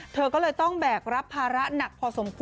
เธอก็เลยต้องแบกรับภาระหนักพอสมควร